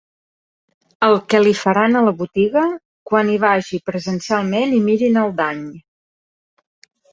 El que li faran a la botiga quan hi vagi presencialment i mirin el dany.